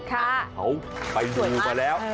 เขาไปดูมาแล้ว